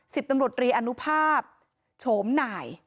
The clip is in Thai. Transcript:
สิบตำรวจรีอนุภาพโฉมหน่าย